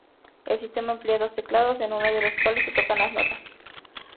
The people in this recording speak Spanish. El sistema emplea dos teclados, en uno de los cuales se tocan las notas.